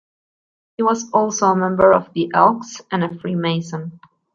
He was also a member of the Elks and a freemason.